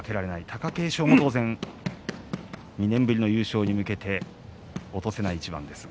貴景勝も当然２年ぶりの優勝に向けて落とせない一番です。